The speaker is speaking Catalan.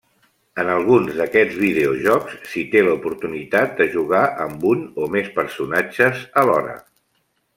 En alguns d'aquests videojocs s'hi té l'oportunitat de jugar amb un o més personatges alhora.